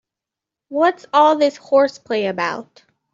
What's all this horseplay about?